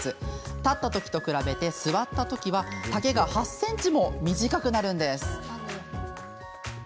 立ったときと比べて座ったときは丈が８ｃｍも短くなるんです。